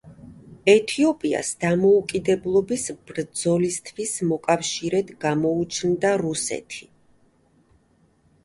ეთიოპიას დამოუკიდებლობის ბრძოლისთვის მოკავშირედ გამოუჩნდა რუსეთი.